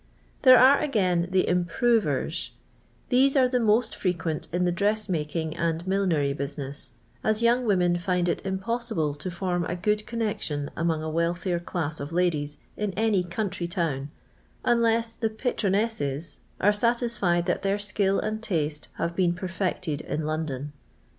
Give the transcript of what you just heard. I There are, again, the " xmprorers,*' These are I the moit frequent in the dress making and milli : nery business, as young women find it impossible I to form a good connection among a wealthier class of ladies in any country town, unless the " patron I esses " are satisfied that their skill and taste have been perfected in London.